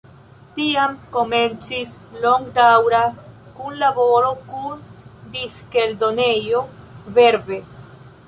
Tiam komencis longdaŭra kunlaboro kun diskeldonejo Verve.